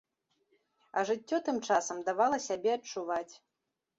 А жыццё тым часам давала сябе адчуваць.